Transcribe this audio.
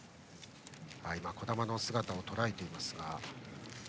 児玉の姿をとらえていますが。